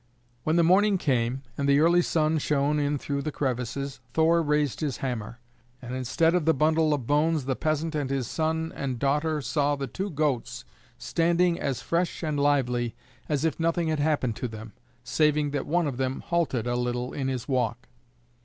When the morning came and the early sun shone in through the crevices, Thor raised his hammer, and instead of the bundle of bones the peasant and his son and daughter saw the two goats standing as fresh and lively as if nothing had happened to them, saving that one of them halted a little in his walk.